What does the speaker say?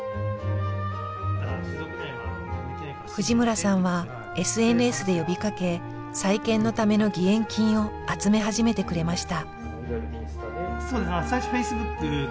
藤村さんはＳＮＳで呼びかけ再建のための義援金を集め始めてくれました。